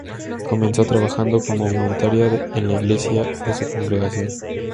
Comenzó trabajando como voluntaria en la iglesia de su congregación.